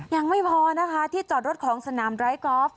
ยังไม่พอนะคะที่จอดรถของสนามไร้กอล์ฟ